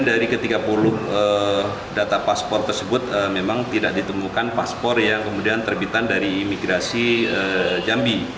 data paspor tersebut memang tidak ditemukan paspor yang kemudian terbitan dari imigrasi jambi